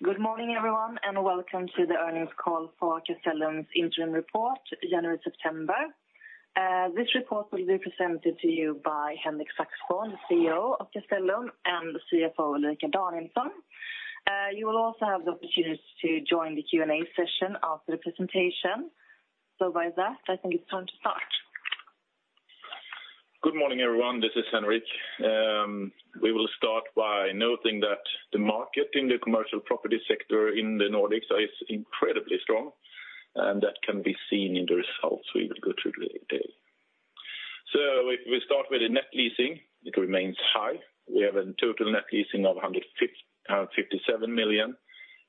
Good morning, everyone, and welcome to the earnings call for Castellum's Interim Report, January-September. This report will be presented to you by Henrik Saxborn, the CEO of Castellum, and the CFO, Ulrika Danielsson. You will also have the opportunity to join the Q&A session after the presentation. By that, I think it's time to start. Good morning, everyone. This is Henrik. We will start by noting that the market in the commercial property sector in the Nordics is incredibly strong, and that can be seen in the results we will go through today. So if we start with the net leasing, it remains high. We have a total net leasing of 157 million,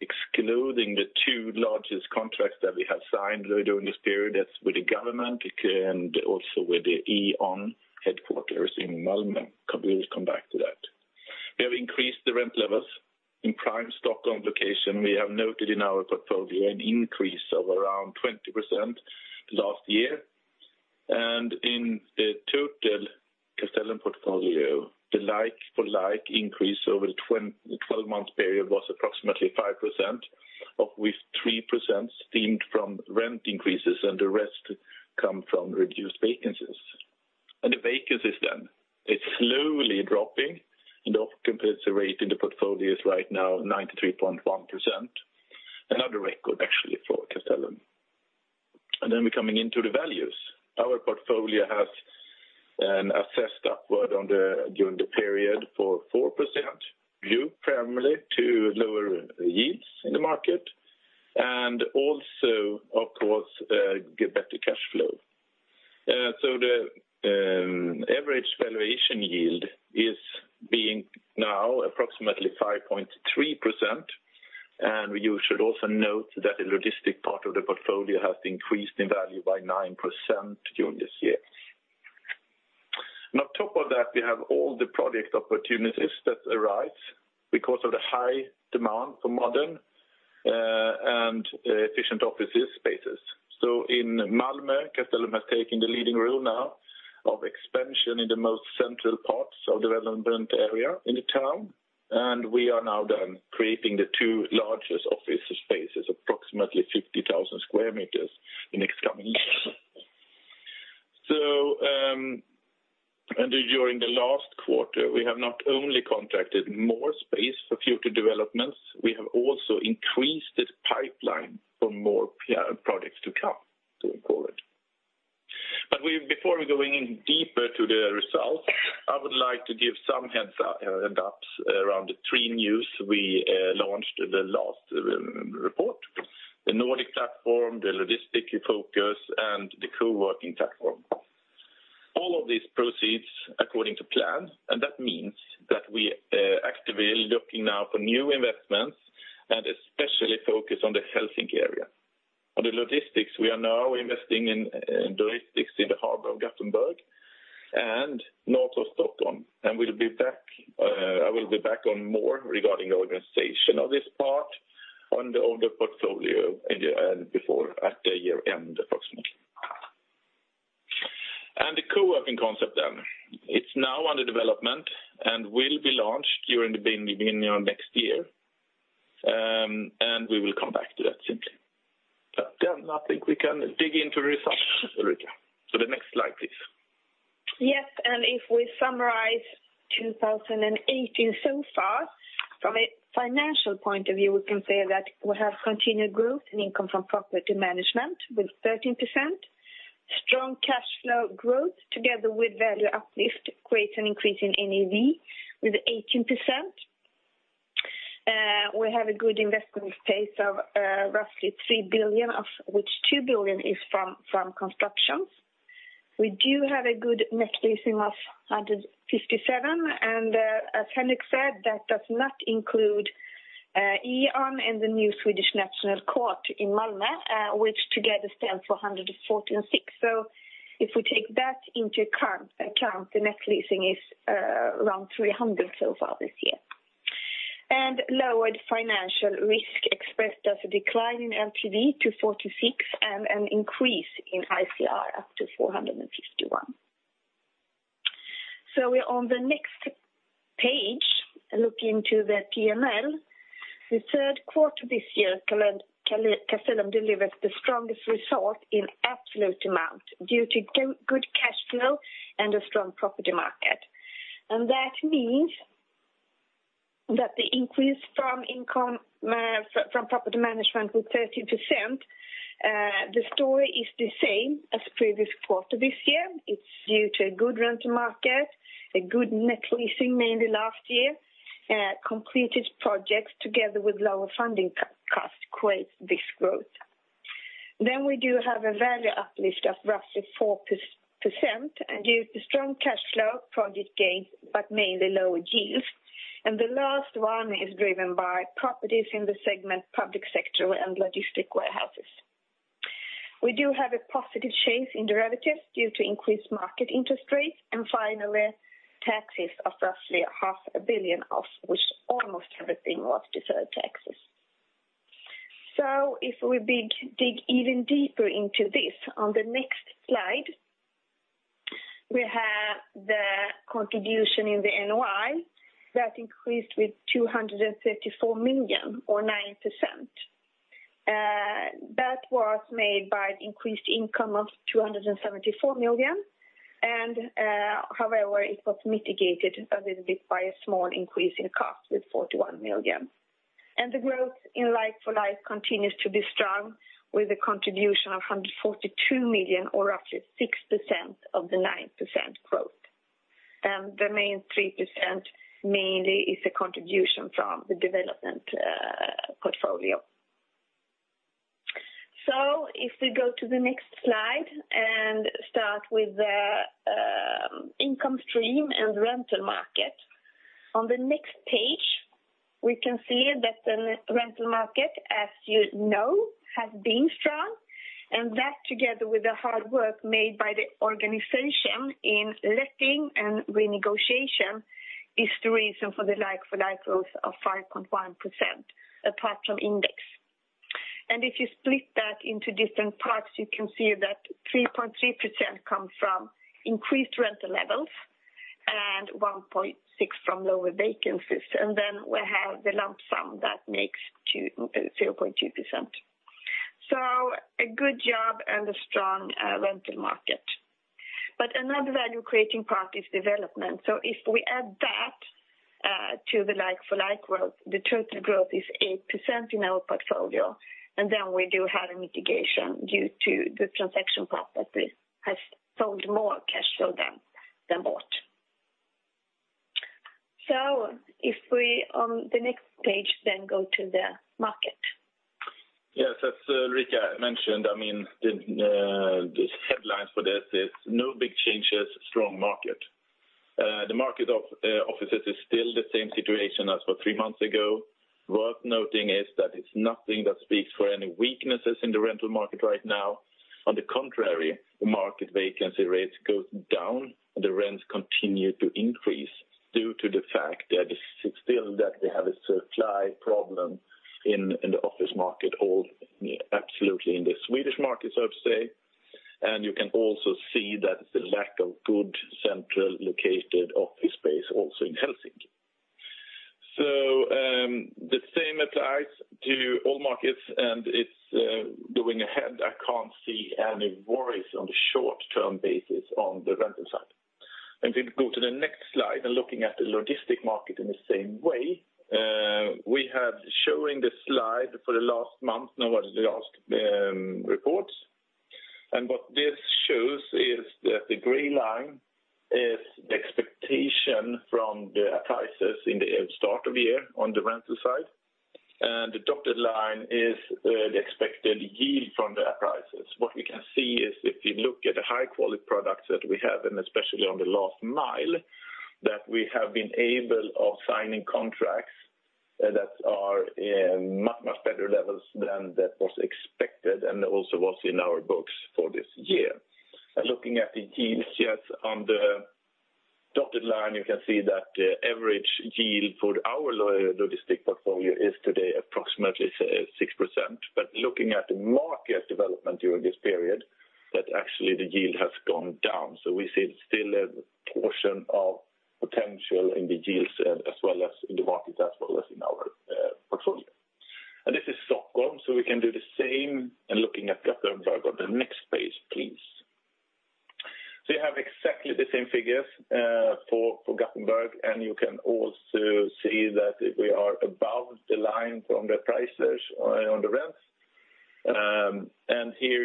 excluding the two largest contracts that we have signed during this period. That's with the government and also with the E.ON headquarters in Malmö. I'll be able to come back to that. We have increased the rent levels. In prime Stockholm location, we have noted in our portfolio an increase of around 20% last year. And in the total Castellum portfolio, the like-for-like increase over the 12-month period was approximately 5%, with 3% stemmed from rent increases and the rest come from reduced vacancies. The vacancies, then, are slowly dropping, and the occupancy rate in the portfolio is right now 93.1%, another record. Actually, for Castellum. Then we're coming into the values. Our portfolio has assessed upward during the period for 4%, due primarily to lower yields in the market and also, of course, better cash flow. So the average valuation yield is being now approximately 5.3%, and you should also note that the logistic part of the portfolio has increased in value by 9% during this year. And on top of that, we have all the project opportunities that arise because of the high demand for modern and efficient office spaces. In Malmö, Castellum has taken the leading role now of expansion in the most central parts of the development area in the town, and we are now then creating the two largest office spaces, approximately 50,000 square meters, in the coming years. During the last quarter, we have not only contracted more space for future developments, we have also increased the pipeline for more projects to come, so to call it. Before we're going in deeper to the results, I would like to give some heads-ups around the three news we launched in the last report: the Nordic platform, the logistics focus, and the coworking platform. All of this proceeds according to plan, and that means that we actively are looking now for new investments and especially focus on the Helsinki area. On the logistics, we are now investing in logistics in the harbor of Gothenburg and north of Stockholm, and we'll be back on more regarding the organization of this part on the older portfolio at the year-end, approximately. The coworking concept, then, it's now under development and will be launched during the beginning of next year, and we will come back to that, simply. But then I think we can dig into the results, Ulrika. So the next slide, please. Yes. And if we summarize 2018 so far, from a financial point of view, we can say that we have continued growth in income from property management with 13%. Strong cash flow growth together with value uplift creates an increase in NAV with 18%. We have a good investment space of roughly 3 billion, of which 2 billion is from constructions. We do have a good net leasing of 157, and as Henrik said, that does not include E.ON and the new Swedish National Courts Administration in Malmö, which together stand for 146. So if we take that into account, the net leasing is around 300 so far this year. And lowered financial risk expressed as a decline in LTV to 46 and an increase in ICR up to 451. So we're on the next page looking into the P&L. The third quarter this year, Castellum delivered the strongest result in absolute amount due to good cash flow and a strong property market. That means that the increase from property management with 13%, the story is the same as previous quarter this year. It's due to a good rental market, a good net leasing mainly last year. Completed projects together with lower funding costs create this growth. Then we do have a value uplift of roughly 4% due to strong cash flow, project gains, but mainly lower yields. The last one is driven by properties in the segment public sector and logistic warehouses. We do have a positive change in derivatives due to increased market interest rates and finally taxes of roughly 500 million, of which almost everything was deferred taxes. So if we dig even deeper into this, on the next slide, we have the contribution in the NOI that increased with 234 million or 9%. That was made by the increased income of 274 million, and however, it was mitigated a little bit by a small increase in cost with 41 million. The growth in like-for-like continues to be strong with a contribution of 142 million or roughly 6% of the 9% growth. The main 3% mainly is a contribution from the development portfolio. So if we go to the next slide and start with the income stream and rental market, on the next page, we can see that the rental market, as you know, has been strong, and that together with the hard work made by the organization in letting and renegotiation is the reason for the like-for-like growth of 5.1% apart from index. And if you split that into different parts, you can see that 3.3% come from increased rental levels and 1.6% from lower vacancies, and then we have the lump sum that makes 0.2%. So a good job and a strong rental market. But another value-creating part is development. So if we add that to the like-for-like growth, the total growth is 8% in our portfolio, and then we do have a mitigation due to the transaction part that has sold more cash flow than bought. So if we, on the next page, then go to the market. Yes. As Ulrika mentioned, I mean, the headlines for this is, "No big changes, strong market." The market of offices is still the same situation as for three months ago. Worth noting is that it's nothing that speaks for any weaknesses in the rental market right now. On the contrary, the market vacancy rate goes down, and the rents continue to increase due to the fact that it's still that we have a supply problem in the office market, absolutely in the Swedish market, so to say. You can also see that it's a lack of good central-located office space also in Helsinki. The same applies to all markets, and it's going ahead. I can't see any worries on the short-term basis on the rental side. And if we go to the next slide and looking at the logistics market in the same way, we have showing the slide for the last month. Now what is the last report? And what this shows is that the gray line is the expectation from the appraisals in the start of the year on the rental side, and the dotted line is the expected yield from the appraisals. What we can see is if you look at the high-quality products that we have, and especially on the last mile, that we have been able of signing contracts that are in much, much better levels than that was expected and also was in our books for this year. And looking at the yields yet on the dotted line, you can see that the average yield for our logistics portfolio is today approximately 6%. But looking at the market development during this period, that actually the yield has gone down. So we see still a portion of potential in the yields as well as in the markets as well as in our portfolio. And this is Stockholm, so we can do the same. And looking at Gothenburg, on the next page, please. So you have exactly the same figures for Gothenburg, and you can also see that we are above the line from the appraisals on the rents. And here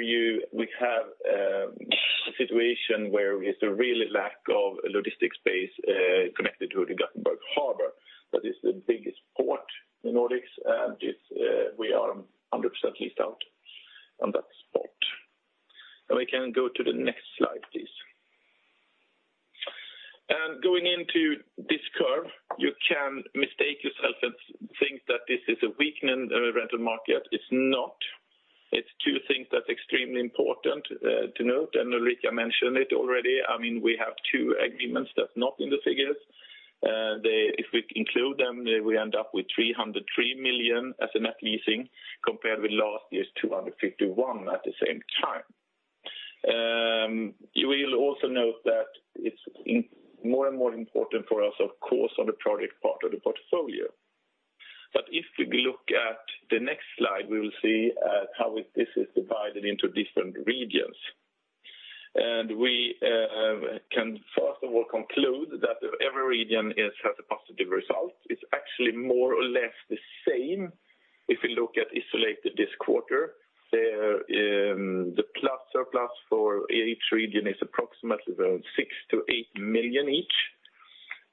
we have a situation where there's a really lack of logistics space connected to the Gothenburg harbor. That is the biggest port in the Nordics, and we are 100% leased out on that port. And we can go to the next slide, please. And going into this curve, you can mistake yourself and think that this is a weakened rental market. It's not. It's two things that's extremely important to note, and Ulrika mentioned it already. I mean, we have two agreements that's not in the figures. If we include them, we end up with 303 million as a net leasing compared with last year's 251 million at the same time. You will also note that it's more and more important for us, of course, on the project part of the portfolio. But if we look at the next slide, we will see how this is divided into different regions. And we can, first of all, conclude that every region has a positive result. It's actually more or less the same if we look at isolated this quarter. The plus surplus for each region is approximately around 6 million-8 million each.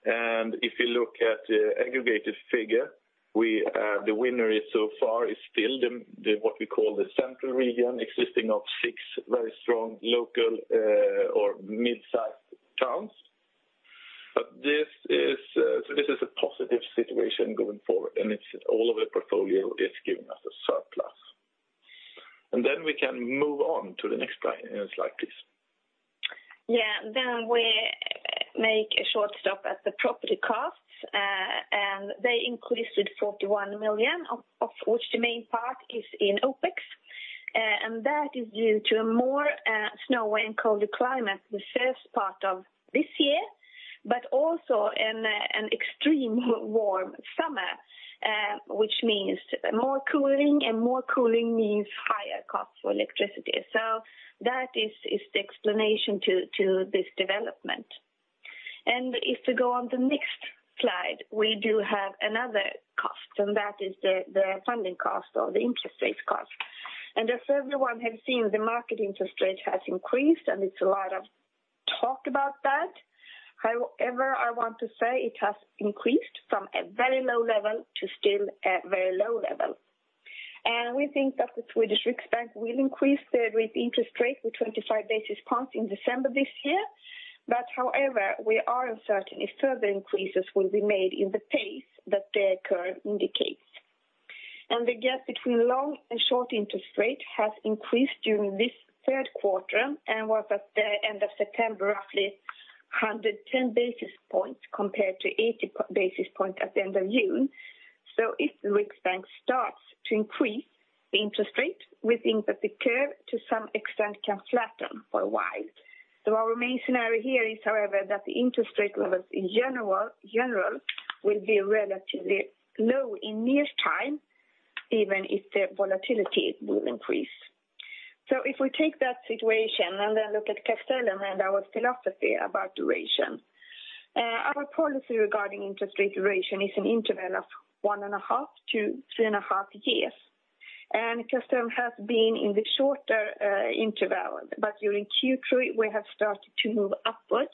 If you look at the aggregated figure, the winner so far is still what we call the central region, existing of six very strong local or mid-sized towns. But this is a positive situation going forward, and all of the portfolio is giving us a surplus. Then we can move on to the next slide, please. Yeah. Then we make a short stop at the property costs, and they increased with 41 million, of which the main part is in OpEx. And that is due to a more snowy and colder climate the first part of this year, but also an extreme warm summer, which means more cooling, and more cooling means higher costs for electricity. So that is the explanation to this development. And if we go on the next slide, we do have another cost, and that is the funding cost or the interest rate cost. And as everyone has seen, the market interest rate has increased, and it's a lot of talk about that. However, I want to say it has increased from a very low level to still a very low level. We think that the Swedish Riksbank will increase their rate interest rate with 25 basis points in December this year. However, we are uncertain if further increases will be made in the pace that the curve indicates. The gap between long and short interest rate has increased during this third quarter and was at the end of September roughly 110 basis points compared to 80 basis points at the end of June. If the Riksbank starts to increase the interest rate, we think that the curve, to some extent, can flatten for a while. Our main scenario here is, however, that the interest rate levels in general will be relatively low in near time, even if the volatility will increase. So if we take that situation and then look at Castellum and our philosophy about duration, our policy regarding interest rate duration is an interval of 1.5 to 3.5 years. Castellum has been in the shorter interval, but during Q3, we have started to move upwards.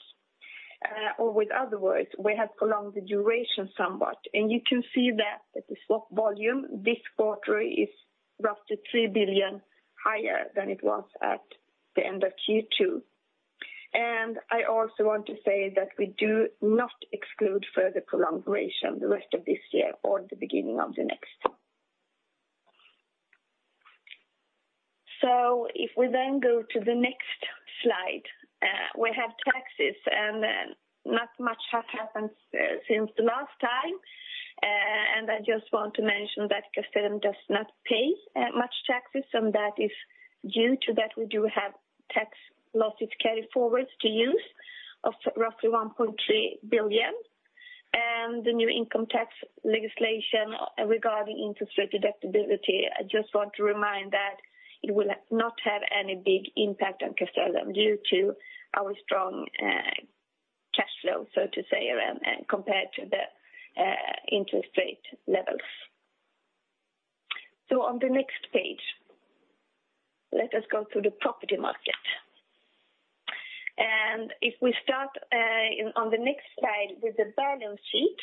Or in other words, we have prolonged the duration somewhat. You can see that the swap volume this quarter is roughly 3 billion higher than it was at the end of Q2. I also want to say that we do not exclude further prolongation the rest of this year or the beginning of the next. So if we then go to the next slide, we have taxes, and not much has happened since the last time. I just want to mention that Castellum does not pay much taxes, and that is due to that we do have tax losses carried forward to use of roughly 1.3 billion. The new income tax legislation regarding interest rate deductibility, I just want to remind that it will not have any big impact on Castellum due to our strong cash flow, so to say, compared to the interest rate levels. On the next page, let us go through the property market. If we start on the next slide with the balance sheet,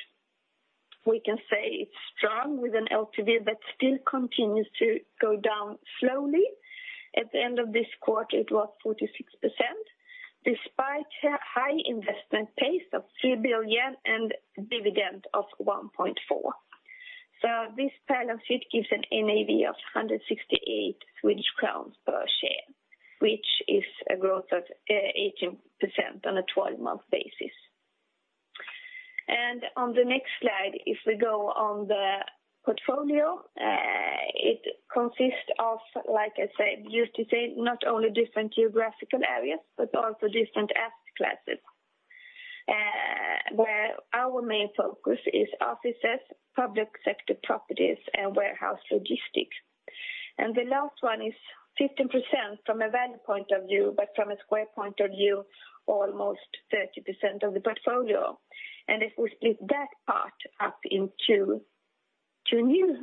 we can say it's strong with an LTV that still continues to go down slowly. At the end of this quarter, it was 46% despite high investment pace of 3 billion and dividend of 1.4 billion. So this balance sheet gives an NAV of 168 Swedish crowns per share, which is a growth of 18% on a 12-month basis. And on the next slide, if we go on the portfolio, it consists of, like I said, used to say, not only different geographical areas but also different asset classes where our main focus is offices, public sector properties, and warehouse logistics. And the last one is 15% from a value point of view, but from a square point of view, almost 30% of the portfolio. And if we split that part up into two new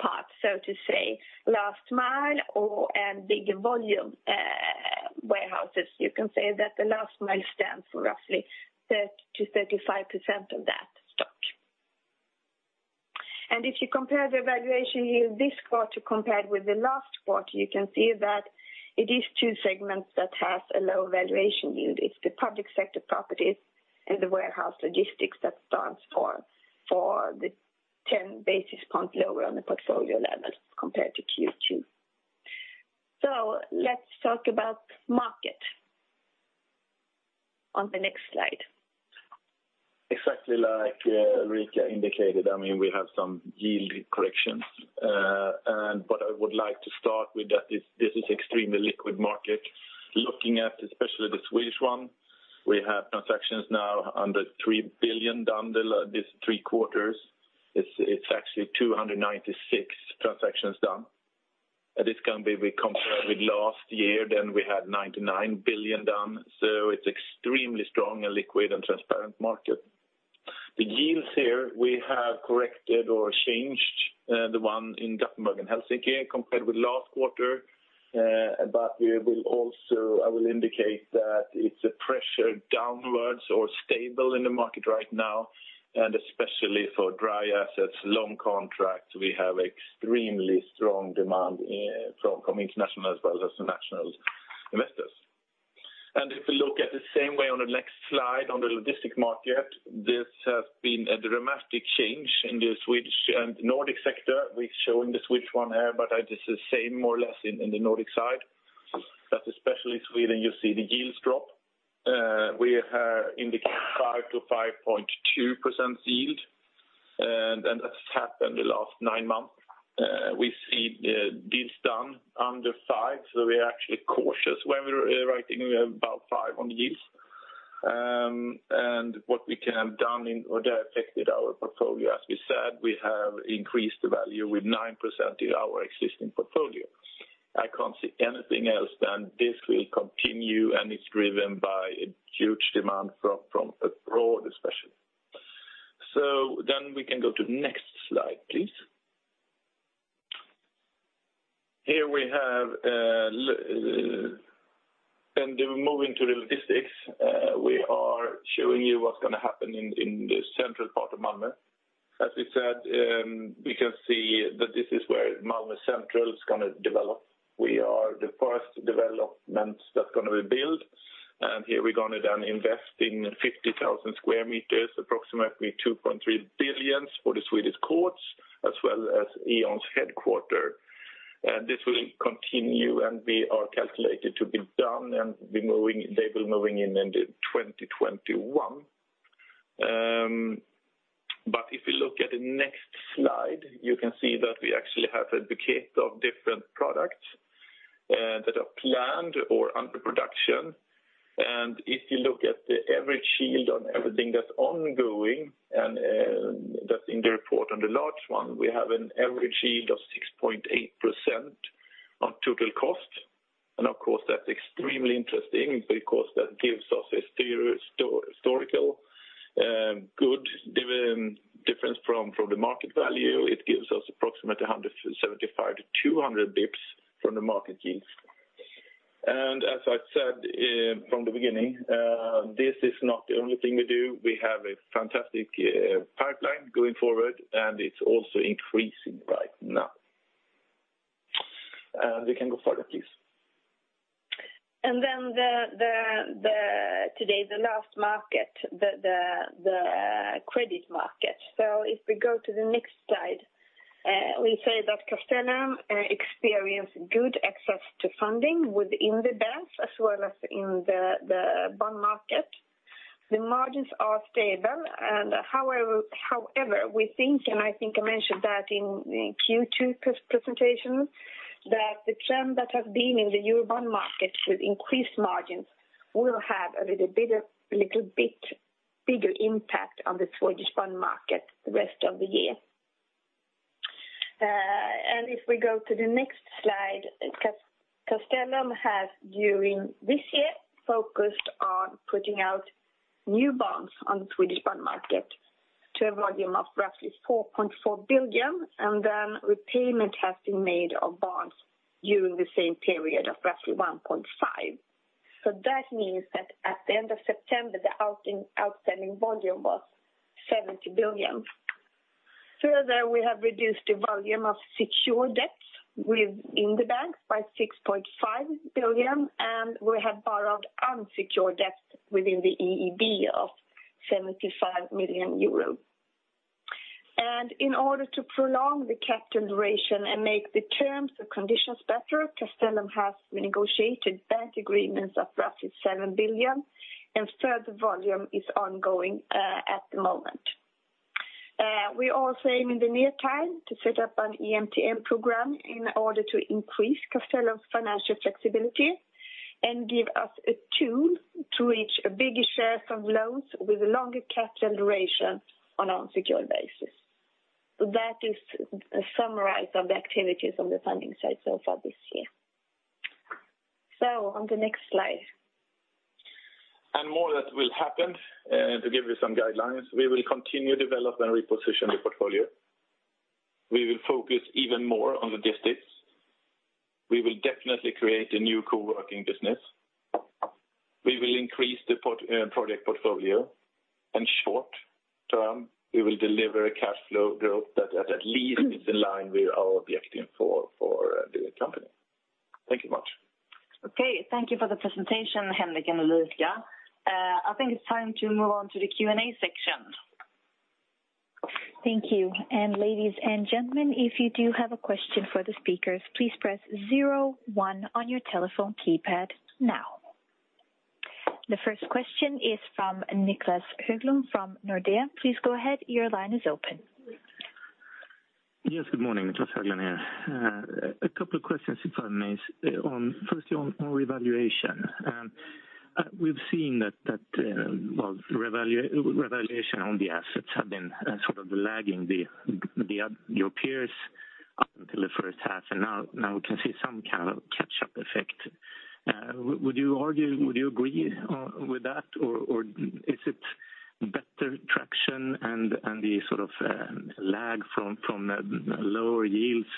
parts, so to say, last mile and big volume warehouses, you can say that the last mile stands for roughly 30%-35% of that stock. If you compare the valuation yield this quarter compared with the last quarter, you can see that it is two segments that have a low valuation yield. It's the public sector properties and the warehouse logistics that stands for the 10 basis points lower on the portfolio level compared to Q2. Let's talk about market on the next slide. Exactly like Ulrika indicated, I mean, we have some yield corrections. But I would like to start with that this is an extremely liquid market. Looking at especially the Swedish one, we have transactions now under 3 billion done this three quarters. It's actually 296 transactions done. At this time, if we compare it with last year, then we had 99 billion done. So it's an extremely strong and liquid and transparent market. The yields here, we have corrected or changed the one in Gothenburg and Helsinki compared with last quarter. But I will indicate that it's a pressure downwards or stable in the market right now, and especially for dry assets, long contracts, we have extremely strong demand from international as well as national investors. If we look at the same way on the next slide on the logistics market, this has been a dramatic change in the Swedish and Nordic sector. We're showing the Swedish one here, but this is the same more or less in the Nordic side. Especially Sweden, you see the yields drop. We have indicated 5%-5.2% yield, and that's happened the last nine months. We see deals done under 5%, so we are actually cautious when we're writing. We have about 5% on the yields. What we can have done that affected our portfolio, as we said, we have increased the value with 9% in our existing portfolio. I can't see anything else than this will continue, and it's driven by a huge demand from abroad, especially. Then we can go to the next slide, please. Here we have, and then moving to the logistics, we are showing you what's going to happen in the central part of Malmö. As we said, we can see that this is where Malmö Central is going to develop. We are the first development that's going to be built. And here we're going to then invest in 50,000 sq m, approximately 2.3 billion for the Swedish courts as well as E.ON's headquarters. And this will continue, and we are calculated to be done, and they will be moving in in 2021. But if you look at the next slide, you can see that we actually have a bouquet of different products that are planned or under production. And if you look at the average yield on everything that's ongoing and that's in the report on the large one, we have an average yield of 6.8% on total cost. Of course, that's extremely interesting because that gives us a historical good difference from the market value. It gives us approximately 175 basis points-200 basis points from the market yields. As I said from the beginning, this is not the only thing we do. We have a fantastic pipeline going forward, and it's also increasing right now. We can go further, please. And then today, the last market, the credit market. So if we go to the next slide, we say that Castellum experienced good access to funding within the banks as well as in the bond market. The margins are stable. And however, we think, and I think I mentioned that in Q2 presentation, that the trend that has been in the Eurobond market with increased margins will have a little bit bigger impact on the Swedish bond market the rest of the year. And if we go to the next slide, Castellum has during this year focused on putting out new bonds on the Swedish bond market to a volume of roughly 4.4 billion, and then repayment has been made of bonds during the same period of roughly 1.5 billion. So that means that at the end of September, the outstanding volume was 17 billion. Further, we have reduced the volume of secured debts within the banks by 6.5 billion, and we have borrowed unsecured debts within the EIB of 75 million euros. In order to prolong the capital duration and make the terms and conditions better, Castellum has negotiated bank agreements of roughly 7 billion, and further volume is ongoing at the moment. We are aiming in the near time to set up an EMTN program in order to increase Castellum's financial flexibility and give us a tool to reach bigger shares of loans with a longer capital duration on an unsecured basis. That is a summary of the activities on the funding side so far this year. On the next slide. More that will happen. To give you some guidelines, we will continue development and reposition the portfolio. We will focus even more on logistics. We will definitely create a new coworking business. We will increase the project portfolio, and short term, we will deliver a cash flow growth that at least is in line with our objective for the company. Thank you much. Okay. Thank you for the presentation, Henrik and Ulrika. I think it's time to move on to the Q&A section. Thank you. And ladies and gentlemen, if you do have a question for the speakers, please press zero one on your telephone keypad now. The first question is from Niclas Höglund from Nordea. Please go ahead. Your line is open. Yes. Good morning. Niclas Höglund here. A couple of questions, if I may, firstly, on revaluation. We've seen that, well, revaluation on the assets has been sort of lagging your peers up until the first half, and now we can see some kind of catch-up effect. Would you agree with that, or is it better traction and the sort of lag from lower yields,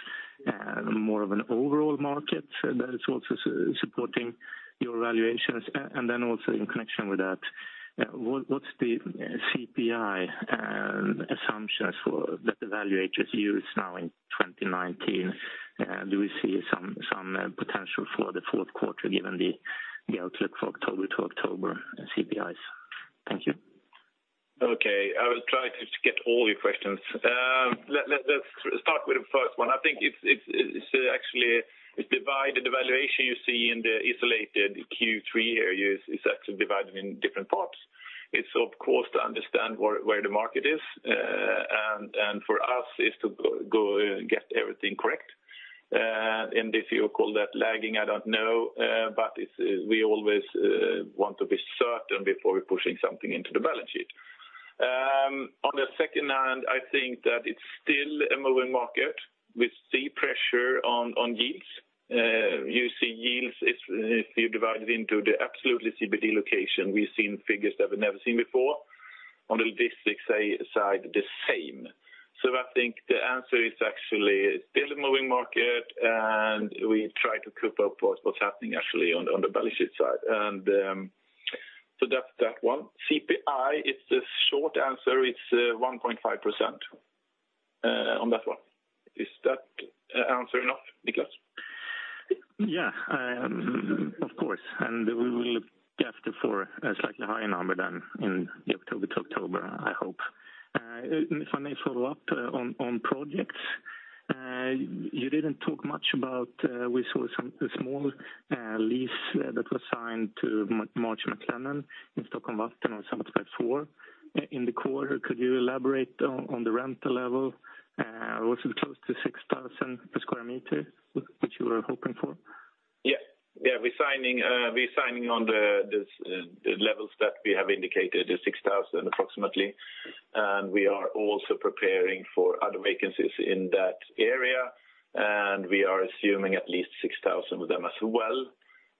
more of an overall market that is also supporting your valuations? And then also in connection with that, what's the CPI assumptions that evaluators use now in 2019? Do we see some potential for the fourth quarter given the outlook for October to October CPIs? Thank you. Okay. I will try to get all your questions. Let's start with the first one. I think it's actually the valuation you see in the isolated Q3 here is actually divided in different parts. It's, of course, to understand where the market is. And for us, it's to go get everything correct. And if you call that lagging, I don't know, but we always want to be certain before we're pushing something into the balance sheet. On the second hand, I think that it's still a moving market. We see pressure on yields. You see yields if you divide it into the absolutely CBD location, we've seen figures that we've never seen before. On the logistics side, the same. So I think the answer is actually still a moving market, and we try to cook up what's happening actually on the balance sheet side. And so that's that one. CPI, it's a short answer. It's 1.5% on that one. Is that answer enough, Niclas? Yeah, of course. And we will look after for a slightly higher number than in the October to October, I hope. If I may follow up on projects, you didn't talk much about we saw some small lease that was signed to Marsh McLennan in Stockholm Värtan on some of the platforms in the quarter. Could you elaborate on the rental level? Was it close to 6,000 per sq m, which you were hoping for? Yeah. Yeah. We're signing on the levels that we have indicated, 6,000 approximately. And we are also preparing for other vacancies in that area, and we are assuming at least 6,000 of them as well.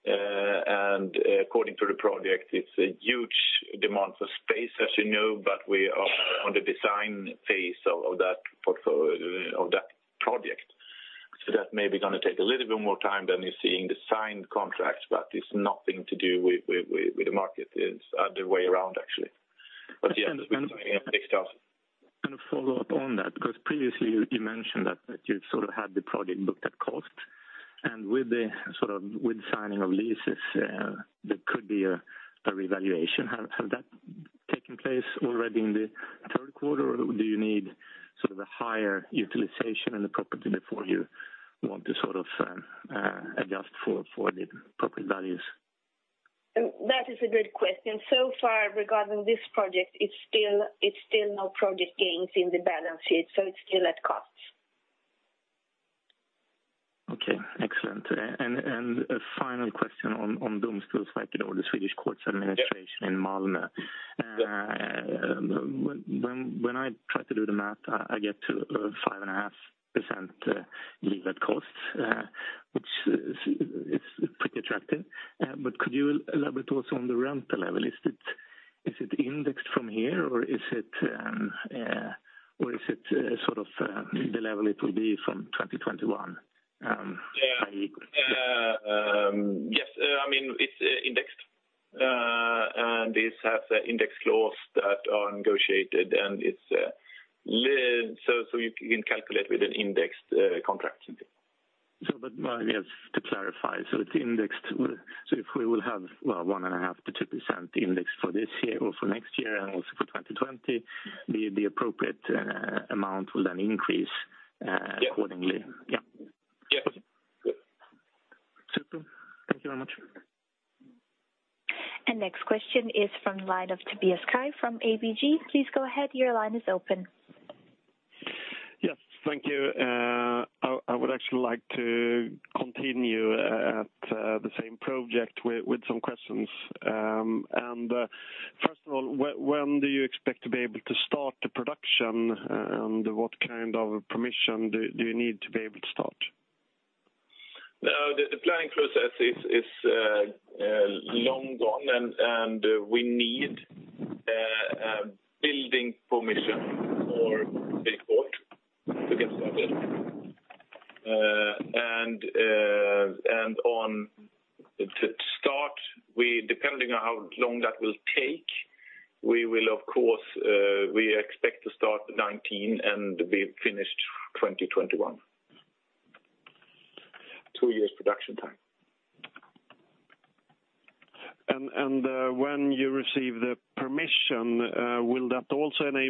And according to the project, it's a huge demand for space, as you know, but we are on the design phase of that project. So that may be going to take a little bit more time than you're seeing the signed contracts, but it's nothing to do with the market. It's the other way around, actually. But yes, we're signing on 6,000. A follow-up on that because previously, you mentioned that you sort of had the project booked at cost. With the sort of signing of leases, there could be a revaluation. Has that taken place already in the third quarter, or do you need sort of a higher utilization in the property before you want to sort of adjust for the property values? That is a good question. So far, regarding this project, it's still no project gains in the balance sheet, so it's still at costs. Okay. Excellent. A final question on Domstolsverket or the Swedish Courts Administration in Malmö. When I try to do the math, I get to 5.5% yield at cost, which is pretty attractive. But could you elaborate also on the rental level? Is it indexed from here, or is it sort of the level it will be from 2021? Yes. I mean, it's indexed, and this has index clause that are negotiated, and so you can calculate with an indexed contract. But yes, to clarify, so it's indexed. So if we will have, well, 1.5%-2% index for this year or for next year and also for 2020, the appropriate amount will then increase accordingly. Yeah. Yes. Good. Super. Thank you very much. And next question is from the line of Tobias Kaj from ABG. Please go ahead. Your line is open. Yes. Thank you. I would actually like to continue at the same project with some questions. And first of all, when do you expect to be able to start the production, and what kind of permission do you need to be able to start? The planning process is long gone, and we need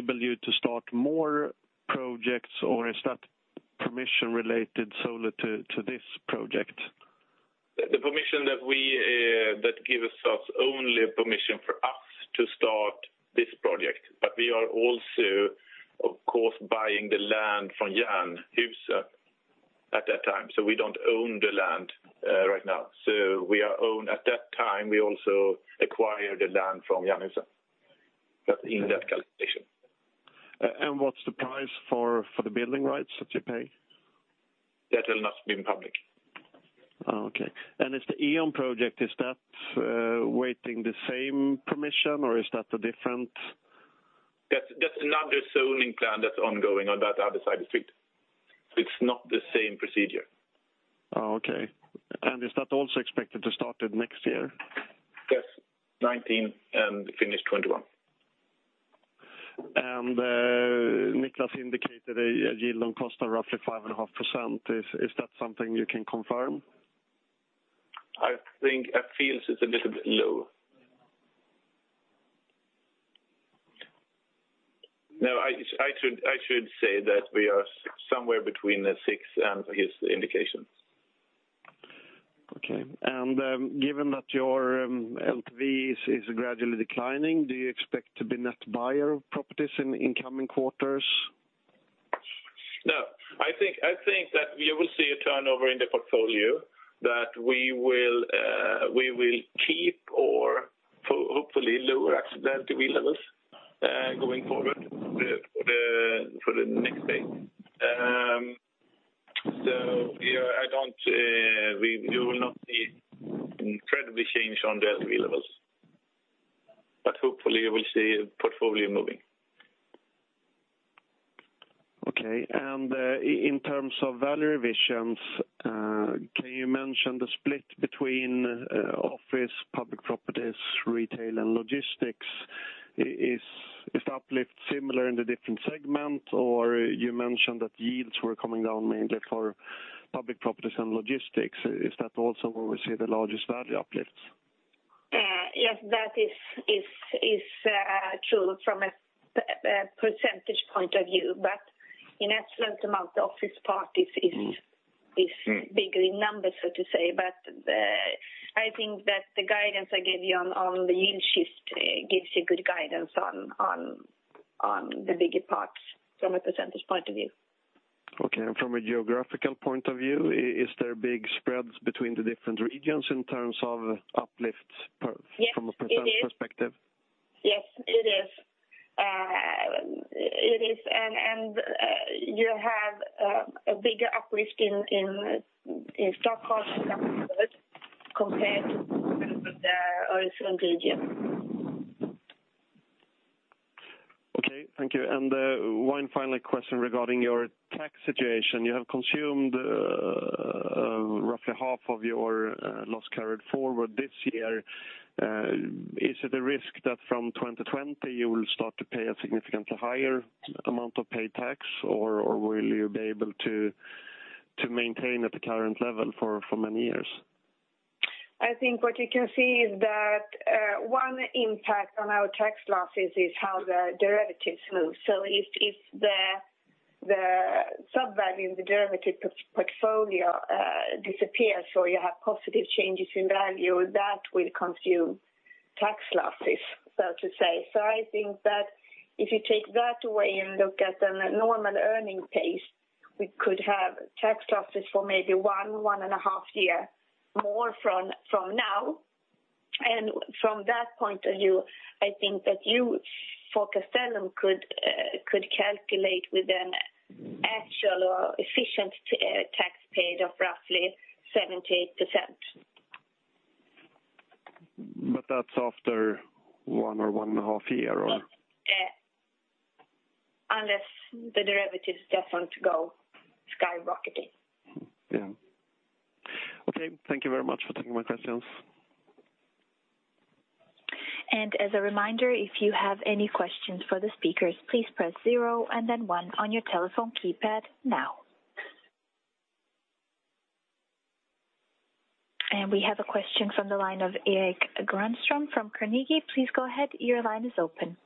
building permission for the court to get started. To start, depending on how long that will take, we will, of course, we expect to start 2019 and be finished 2021, two years production time. When you receive the permission, will that also enable you to start more projects, or is that permission related solely to this project? The permission that gives us only permission for us to start this project, but we are also, of course, buying the land from Jernhusen at that time. We don't own the land right now. At that time, we also acquired the land from Jernhusen in that calculation. What's the price for the building rights that you pay? That will not be in public. Okay. And is the E.ON project, is that waiting the same permission, or is that a different? That's another zoning plan that's ongoing on that other side of the street. So it's not the same procedure. Okay. Is that also expected to start next year? Yes. 2019 and finish 2021. Niclas indicated a yield on cost of roughly 5.5%. Is that something you can confirm? I think it feels it's a little bit low. No, I should say that we are somewhere between six and his indication. Okay. Given that your LTV is gradually declining, do you expect to be net buyer of properties in coming quarters? No. I think that we will see a turnover in the portfolio that we will keep or hopefully lower actual LTV levels going forward for the next phase. So yeah, you will not see incredible change on the LTV levels, but hopefully, you will see a portfolio moving. Okay. And in terms of value revisions, can you mention the split between office, public properties, retail, and logistics? Is the uplift similar in the different segments, or you mentioned that yields were coming down mainly for public properties and logistics. Is that also where we see the largest value uplifts? Yes, that is true from a percentage point of view, but an absolute amount of office parts is bigger in numbers, so to say. But I think that the guidance I gave you on the yield shift gives you good guidance on the bigger parts from a percentage point of view. Okay. From a geographical point of view, is there big spreads between the different regions in terms of uplifts from a percent perspective? Yes. It is. Yes, it is. It is. And you have a bigger uplift in Stockholm compared to the Öresund region. Okay. Thank you. One final question regarding your tax situation. You have consumed roughly half of your loss carried forward this year. Is it a risk that from 2020, you will start to pay a significantly higher amount of pay tax, or will you be able to maintain at the current level for many years? I think what you can see is that one impact on our tax losses is how the derivatives move. So if the swap value in the derivative portfolio disappears or you have positive changes in value, that will consume tax losses, so to say. So I think that if you take that away and look at a normal earning pace, we could have tax losses for maybe one, one and a half year more from now. From that point of view, I think that you for Castellum could calculate with an actual or efficient tax paid of roughly 7%-8%. That's after one or 1.5 year, or? Yes, unless the derivatives doesn't go skyrocketing. Yeah. Okay. Thank you very much for taking my questions. As a reminder, if you have any questions for the speakers, please press zero and then one on your telephone keypad now. We have a question from the line of Erik Granström from Carnegie. Please go ahead. Your line is open.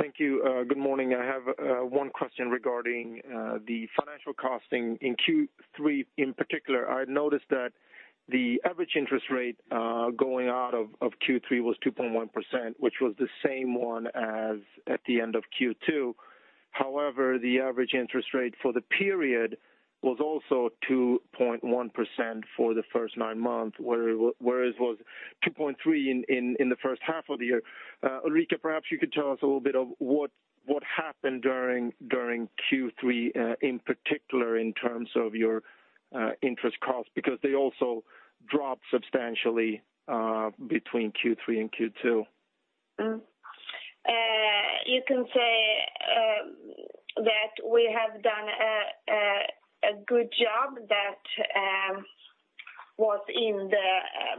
Thank you. Good morning. I have one question regarding the financial costing in Q3 in particular. I noticed that the average interest rate going out of Q3 was 2.1%, which was the same one as at the end of Q2. However, the average interest rate for the period was also 2.1% for the first nine months, whereas it was 2.3% in the first half of the year. Ulrika, perhaps you could tell us a little bit of what happened during Q3 in particular in terms of your interest costs because they also dropped substantially between Q3 and Q2. You can say that we have done a good job that was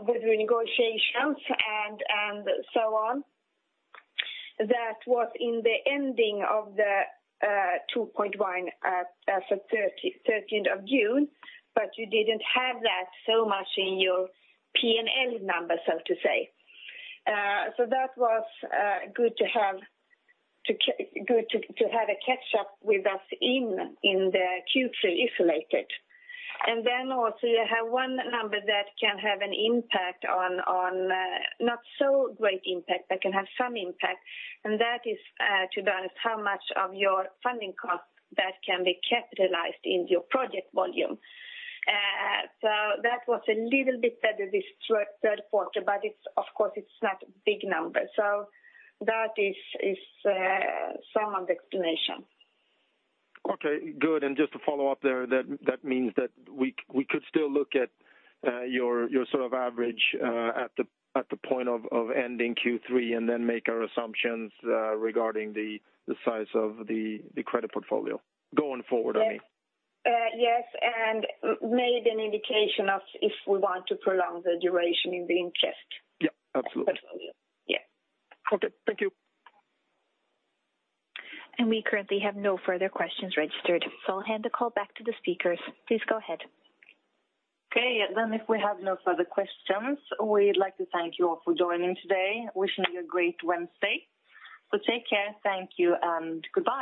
within negotiations and so on that was in the ending of the 2.1% as of 13th of June, but you didn't have that so much in your P&L numbers, so to say. So that was good to have a catch-up with us in the Q3 isolated. And then also, you have one number that can have an impact on not so great impact, but can have some impact. And that is, to be honest, how much of your funding costs that can be capitalized in your project volume. So that was a little bit better this third quarter, but of course, it's not a big number. So that is some of the explanation. Okay. Good. Just to follow up there, that means that we could still look at your sort of average at the point of ending Q3 and then make our assumptions regarding the size of the credit portfolio going forward, I mean. Yes. And made an indication of if we want to prolong the duration in the interest portfolio. Yeah. Absolutely. Yes. Okay. Thank you. We currently have no further questions registered, so I'll hand the call back to the speakers. Please go ahead. Okay. Then if we have no further questions, we'd like to thank you all for joining today. Wishing you a great Wednesday. So take care. Thank you, and goodbye.